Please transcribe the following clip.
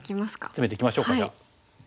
つめていきましょうかじゃあ。